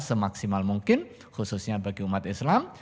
semaksimal mungkin khususnya bagi umat islam